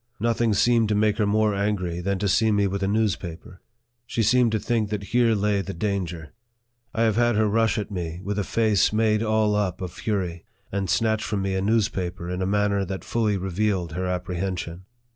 Nothing seemed to make her more angry than to see me with a news paper. She seemed to think that here lay the danger. I have had her rush at me with a face made all up of fury, and snatch from me a newspaper, in a manner that fully revealed her apprehension.